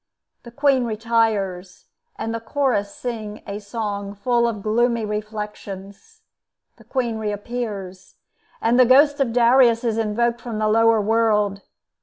The Queen retires, and the Chorus sing a song full of gloomy reflections. The Queen reappears, and the ghost of Darius is invoked from the lower world.